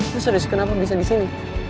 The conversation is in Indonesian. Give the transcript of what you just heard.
gue serius kenapa bisa disini